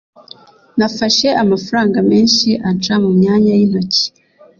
Nafashe amafaranga menshi anca mu myanya y’intoki